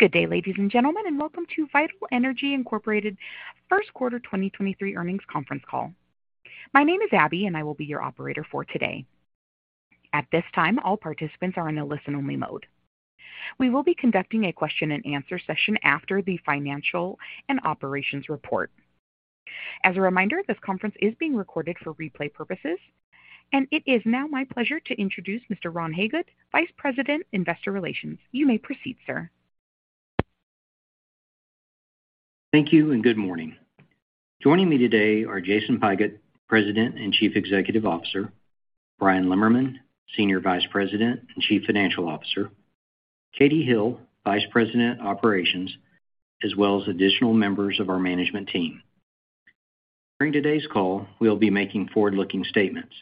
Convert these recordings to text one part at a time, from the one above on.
Good day, ladies and gentlemen, and welcome to Vital Energy, Inc. First Quarter 2023 Earnings Conference Call. My name is Abby, and I will be your operator for today. At this time, all participants are in a listen-only mode. We will be conducting a question and answer session after the financial and operations report. As a reminder, this conference is being recorded for replay purposes, and it is now my pleasure to introduce Mr. Ron Hagood, Vice President, Investor Relations. You may proceed, sir. Thank you and good morning. Joining me today are Jason Pigott, President and Chief Executive Officer, Bryan Lemmerman, Senior Vice President and Chief Financial Officer, Katie Hill, Vice President, Operations, as well as additional members of our management team. During today's call, we'll be making forward-looking statements.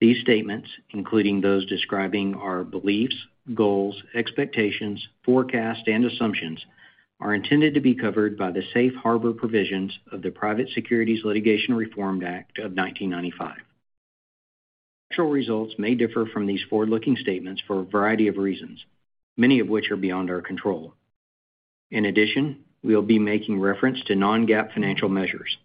These statements, including those describing our beliefs, goals, expectations, forecasts, and assumptions, are intended to be covered by the safe harbor provisions of the Private Securities Litigation Reform Act of 1995. Actual results may differ from these forward-looking statements for a variety of reasons, many of which are beyond our control. In addition, we'll be making reference to non-GAAP financial measures.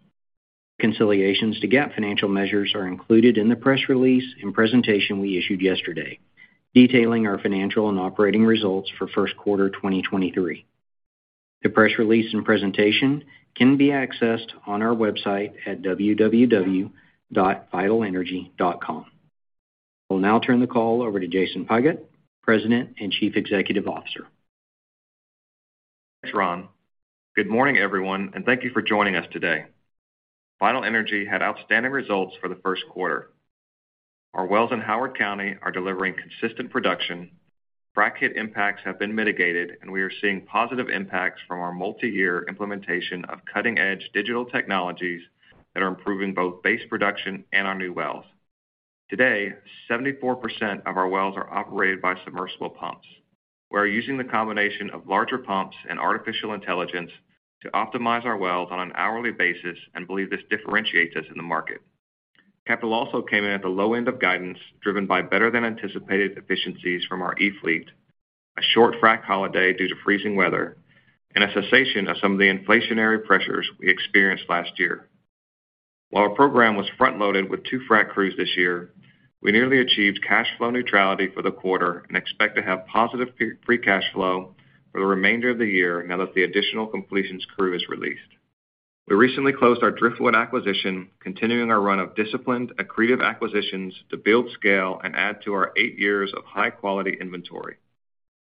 Reconciliations to GAAP financial measures are included in the press release and presentation we issued yesterday, detailing our financial and operating results for first quarter 2023. The press release and presentation can be accessed on our website at www.vitalenergy.com. We'll now turn the call over to Jason Pigott, President and Chief Executive Officer. Thanks, Ron. Good morning, everyone, and thank you for joining us today. Vital Energy had outstanding results for the first quarter. Our wells in Howard County are delivering consistent production. Frac hit impacts have been mitigated, and we are seeing positive impacts from our multi-year implementation of cutting-edge digital technologies that are improving both base production and our new wells. Today, 74% of our wells are operated by submersible pumps. We're using the combination of larger pumps and Artificial Intelligence to optimize our wells on an hourly basis and believe this differentiates us in the market. Capital also came in at the low end of guidance driven by better than anticipated efficiencies from our electric fleet, a short frac holiday due to freezing weather, and a cessation of some of the inflationary pressures we experienced last year. While our program was front-loaded with two frac crews this year, we nearly achieved cash flow neutrality for the quarter and expect to have positive free cash flow for the remainder of the year now that the additional completions crew is released. We recently closed our Driftwood acquisition, continuing our run of disciplined, accretive acquisitions to build scale and add to our eight years of high-quality inventory.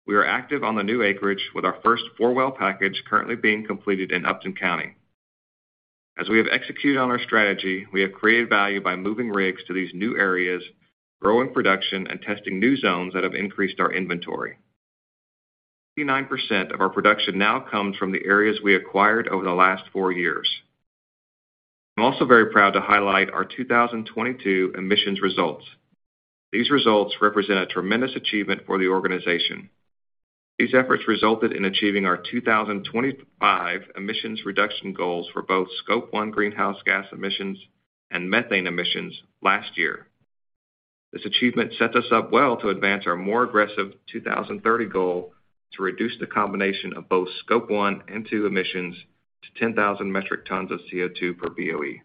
We are active on the new acreage with our first, four well package currently being completed in Upton County. As we have executed on our strategy, we have created value by moving rigs to these new areas, growing production, and testing new zones that have increased our inventory. 89% of our production now comes from the areas we acquired over the last four years. I'm also very proud to highlight our 2022 emissions results. These results represent a tremendous achievement for the organization. These efforts resulted in achieving our 2025 emissions reduction goals for both Scope 1 greenhouse gas emissions and methane emissions last year. This achievement sets us up well to advance our more aggressive 2030 goal to reduce the combination of both Scope 1 and 2 emissions to 10,000 metric tons of CO2 per BOE.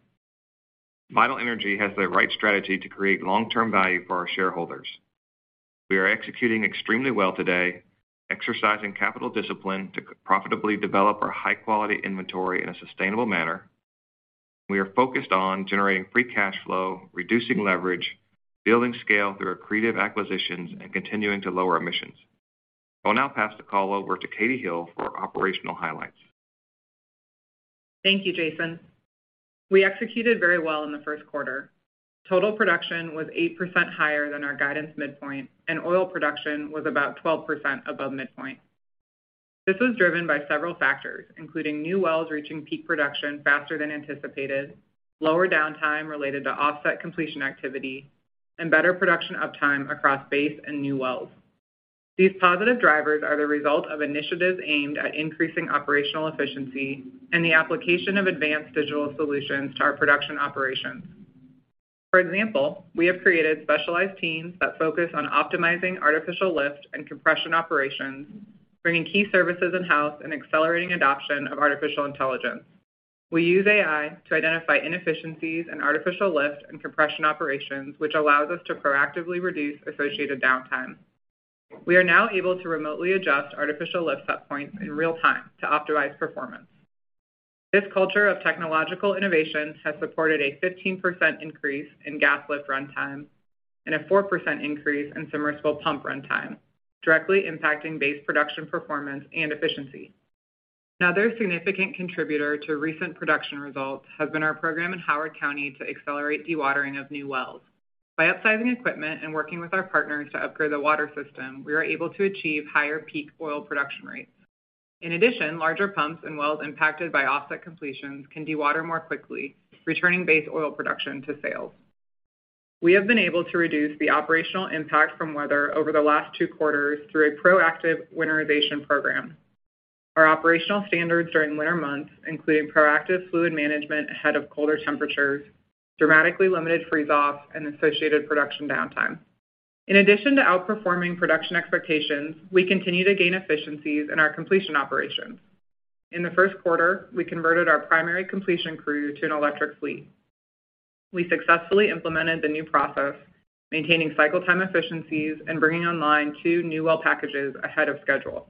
Vital Energy has the right strategy to create long-term value for our shareholders. We are executing extremely well today, exercising capital discipline to profitably develop our high-quality inventory in a sustainable manner. We are focused on generating free cash flow, reducing leverage, building scale through accretive acquisitions, and continuing to lower emissions. I'll now pass the call over to Katie Hill for operational highlights. Thank you, Jason. We executed very well in the first quarter. Total production was 8% higher than our guidance midpoint, and oil production was about 12% above midpoint. This was driven by several factors, including new wells reaching peak production faster than anticipated, lower downtime related to offset completion activity, and better production uptime across base and new wells. These positive drivers are the result of initiatives aimed at increasing operational efficiency and the application of advanced digital solutions to our production operations. For example, we have created specialized teams that focus on optimizing artificial lift and compression operations, bringing key services in-house and accelerating adoption of artificial intelligence. We use AI to identify inefficiencies in artificial lift and compression operations, which allows us to proactively reduce associated downtime. We are now able to remotely adjust artificial lift set points in real time to optimize performance. This culture of technological innovations has supported a 15% increase in gas lift runtime and a 4% increase in submersible pump runtime, directly impacting base production performance and efficiency. Another significant contributor to recent production results has been our program in Howard County to accelerate dewatering of new wells. By upsizing equipment and working with our partners to upgrade the water system, we are able to achieve higher peak oil production rates. In addition, larger pumps and wells impacted by offset completions can dewater more quickly, returning base oil production to sales. We have been able to reduce the operational impact from weather over the last two quarters through a proactive winterization program. Our operational standards during winter months, including proactive fluid management ahead of colder temperatures, dramatically limited freeze-off and associated production downtime. In addition to outperforming production expectations, we continue to gain efficiencies in our completion operations. In the first quarter, we converted our primary completion crew to an electric fleet. We successfully implemented the new process, maintaining cycle time efficiencies and bringing online two new well packages ahead of schedule.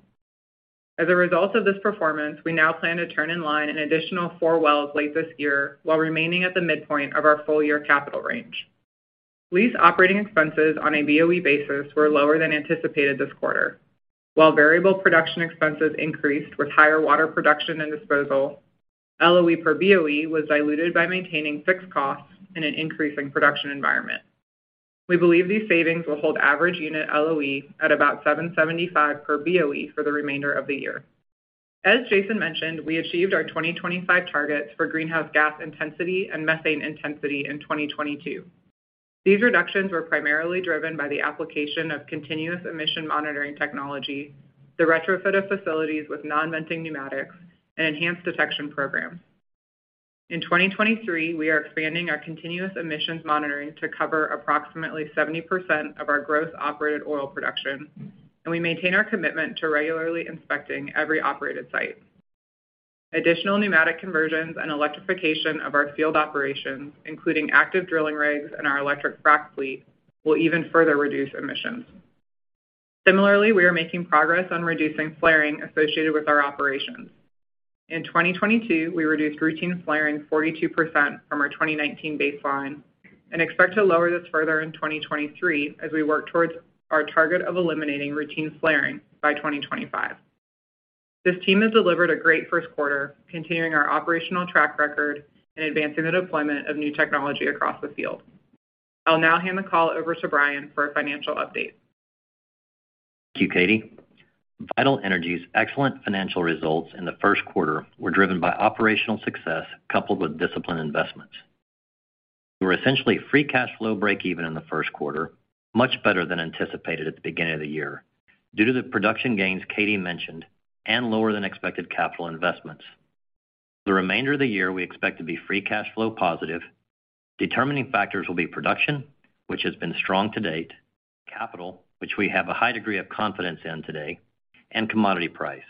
As a result of this performance, we now plan to turn in line an additional four wells late this year while remaining at the midpoint of our full year capital range. Lease operating expenses on a BOE basis were lower than anticipated this quarter. While variable production expenses increased with higher water production and disposal, LOE per BOE was diluted by maintaining fixed costs in an increasing production environment. We believe these savings will hold average unit LOE at about $7.75 per BOE for the remainder of the year. As Jason mentioned, we achieved our 2025 targets for greenhouse gas intensity and methane intensity in 2022. These reductions were primarily driven by the application of continuous emission monitoring technology, the retrofit of facilities with non-venting pneumatics, and enhanced detection programs. In 2023, we are expanding our continuous emission monitoring to cover approximately 70% of our gross operated oil production, and we maintain our commitment to regularly inspecting every operated site. Additional pneumatic conversions and electrification of our field operations, including active drilling rigs and our electric frac fleet, will even further reduce emissions. Similarly, we are making progress on reducing flaring associated with our operations. In 2022, we reduced routine flaring 42% from our 2019 baseline and expect to lower this further in 2023 as we work towards our target of eliminating routine flaring by 2025. This team has delivered a great first quarter, continuing our operational track record and advancing the deployment of new technology across the field. I'll now hand the call over to Bryan for a financial update. Thank you, Katie. Vital Energy's excellent financial results in the first quarter were driven by operational success coupled with disciplined investments. We were essentially free cash flow break even in the first quarter, much better than anticipated at the beginning of the year, due to the production gains Katie mentioned and lower than expected capital investments. For the remainder of the year, we expect to be free cash flow positive. Determining factors will be production, which has been strong to date, capital, which we have a high degree of confidence in today, and commodity price.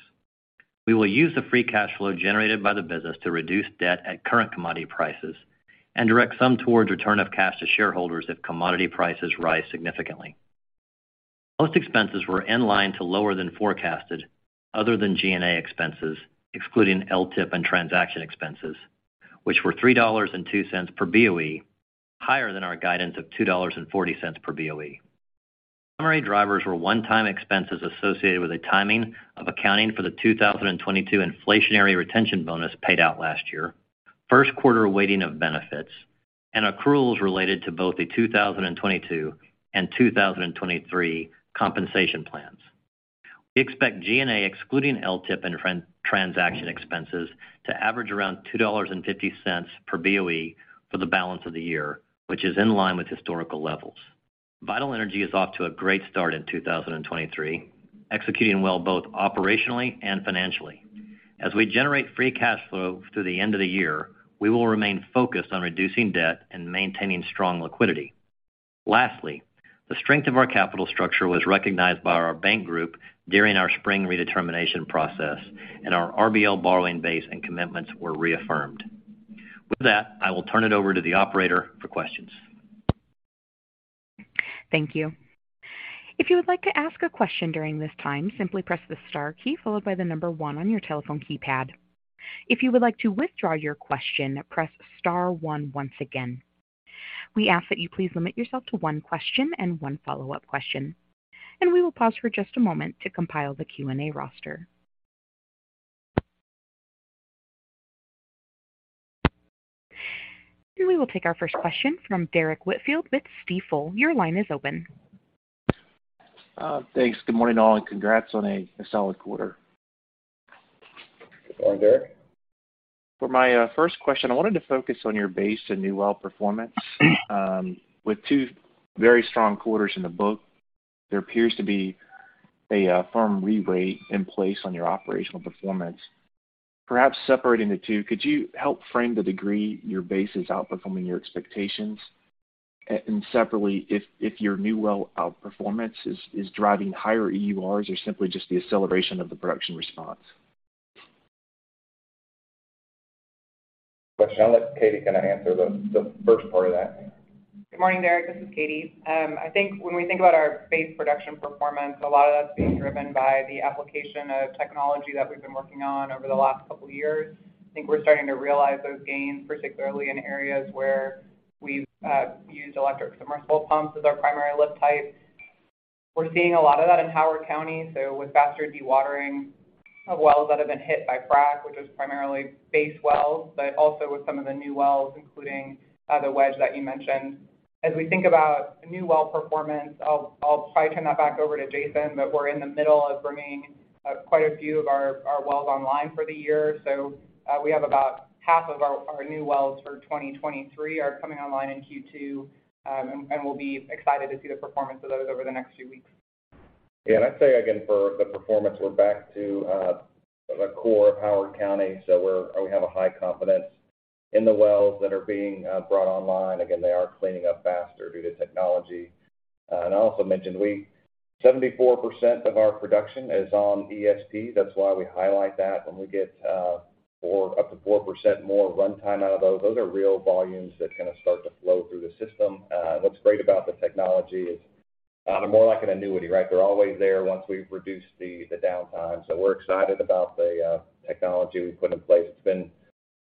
We will use the free cash flow generated by the business to reduce debt at current commodity prices and direct some towards return of cash to shareholders if commodity prices rise significantly. Most expenses were in line to lower than forecasted, other than G&A expenses, excluding LTIP and transaction expenses, which were $3.02 per BOE, higher than our guidance of $2.40 per BOE. Summary drivers were one-time expenses associated with the timing of accounting for the 2022 inflationary retention bonus paid out last year, first quarter weighting of benefits, and accruals related to both the 2022 and 2023 compensation plans. We expect G&A, excluding LTIP and transaction expenses, to average around $2.50 per BOE for the balance of the year, which is in line with historical levels. Vital Energy is off to a great start in 2023, executing well both operationally and financially. As we generate free cash flow through the end of the year, we will remain focused on reducing debt and maintaining strong liquidity. Lastly, the strength of our capital structure was recognized by our bank group during our spring redetermination process, and our RBL borrowing base and commitments were reaffirmed. With that, I will turn it over to the operator for questions. Thank you. If you would like to ask a question during this time, simply press the star key followed by the number 1 on your telephone keypad. If you would like to withdraw your question, press star one once again. We ask that you please limit yourself to one question and one follow-up question. We will pause for just a moment to compile the Q&A roster. We will take our first question from Derrick Whitfield with Stifel. Your line is open. Thanks. Good morning, all, congrats on a solid quarter. Good morning, Derrick. For my first question, I wanted to focus on your base and new well performance. With two very strong quarters in the book, there appears to be a firm reweight in place on your operational performance. Perhaps separating the two, could you help frame the degree your base is outperforming your expectations? Separately, if your new well outperformance is driving higher EURs or simply just the acceleration of the production response? For that, I'll let Katie kinda answer the first part of that. Good morning, Derrick. This is Katie. I think when we think about our base production performance, a lot of that's being driven by the application of technology that we've been working on over the last couple years. I think we're starting to realize those gains, particularly in areas where we've used electric submersible pumps as our primary lift type. We're seeing a lot of that in Howard County, so with faster dewatering of wells that have been hit by frac, which is primarily base wells, but also with some of the new wells, including the wedge that you mentioned. As we think about new well performance, I'll probably turn that back over to Jason, but we're in the middle of bringing quite a few of our wells online for the year. We have about half of our new wells for 2023 are coming online in Q2, and we'll be excited to see the performance of those over the next few weeks. Yeah. I'd say again, for the performance, we're back to the core Howard County. We have a high confidence in the wells that are being brought online. Again, they are cleaning up faster due to technology. I also mentioned 74% of our production is on ESP. That's why we highlight that when we get up to 4% more runtime out of those. Those are real volumes that kind of start to flow through the system. What's great about the technology is they're more like an annuity, right? They're always there once we've reduced the downtime. We're excited about the technology we put in place. It's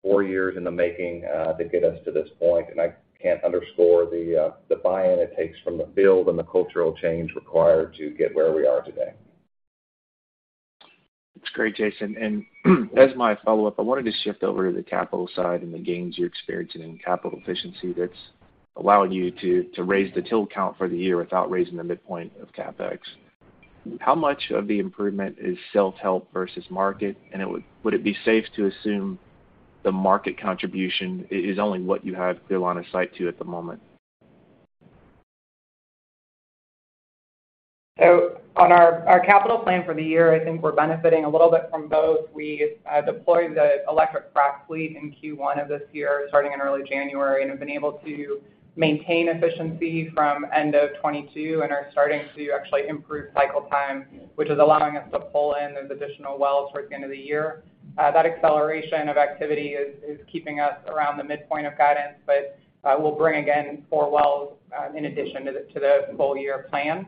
been four years in the making, to get us to this point, and I can't underscore the buy-in it takes from the field and the cultural change required to get where we are today. That's great, Jason. As my follow-up, I wanted to shift over to the capital side and the gains you're experiencing in capital efficiency that's allowing you to raise the till count for the year without raising the midpoint of CapEx. How much of the improvement is self-help versus market? Would it be safe to assume the market contribution is only what you have bill line of sight to at the moment? On our capital plan for the year, I think we're benefiting a little bit from both. We deployed the electric frac fleet in Q1 of this year, starting in early January, and have been able to maintain efficiency from end of 2022 and are starting to actually improve cycle time, which is allowing us to pull in those additional wells towards the end of the year. That acceleration of activity is keeping us around the midpoint of guidance, but we'll bring again more wells in addition to the full year plan.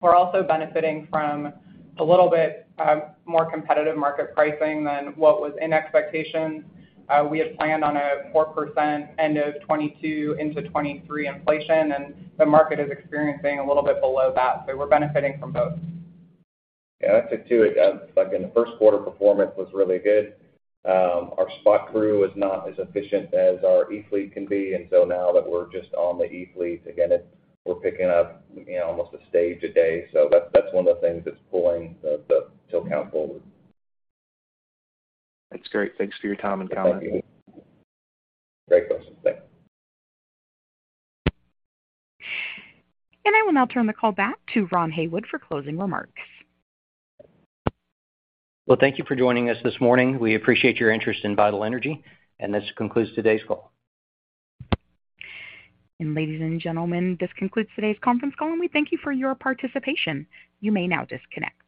We're also benefiting from a little bit more competitive market pricing than what was in expectations. We had planned on a 4% end of 2022 into 2023 inflation, and the market is experiencing a little bit below that, so we're benefiting from both. Yeah. I'd say, too, like in the first quarter, performance was really good. Our spot crew was not as efficient as our e-fleet can be. Now that we're just on the e-fleet again, we're picking up, you know, almost a stage a day. That's one of the things that's pulling the till count forward. That's great. Thanks for your time and comment. Thank you. Great questions. Thanks. I will now turn the call back to Ron Hagood for closing remarks. Well, thank you for joining us this morning. We appreciate your interest in Vital Energy, and this concludes today's call. Ladies and gentlemen, this concludes today's conference call, and we thank you for your participation. You may now disconnect.